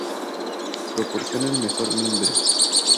Proporciona el mejor mimbre.